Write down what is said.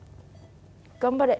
頑張れ！